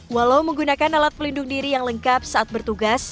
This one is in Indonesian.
walau menggunakan alat pelindung diri yang lengkap saat bertugas